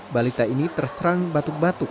balita ini terserang batuk batuk